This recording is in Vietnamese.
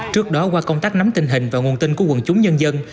trước đó qua công tác nắm tình hình và nguồn tin của quần chúng nhân dân